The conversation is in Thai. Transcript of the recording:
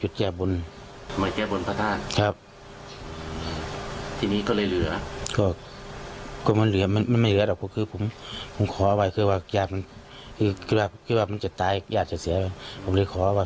แต่อันนี้กูกูไม่รู้นะว่าผมไม่ได้อยู่ด้วย